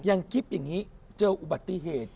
อย่างกิ๊บอย่างนี้เจออุบัติเหตุ